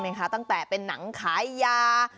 ใช่ไหมคะตั้งแต่เป็นหนังขายยา